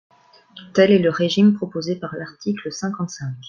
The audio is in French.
Tel est le régime proposé par l’article cinquante-cinq.